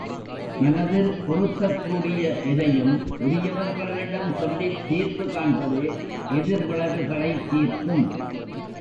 மனதில் உறுத்தக் கூடிய எதையும் உரியவர்களிடம் சொல்லித் தீர்வு காண்பதே எதிர் விளைவு களைத் தீர்க்கும்.